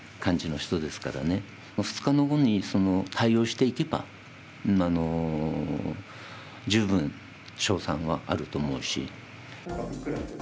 ２日の碁に対応していけば十分勝算はあると思うし。